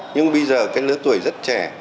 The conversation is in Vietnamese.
nhưng bây giờ cái lứa tuổi rất trẻ